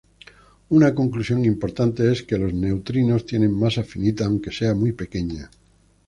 Una conclusión importante es que los neutrinos tienen masa finita, aunque sea muy pequeña.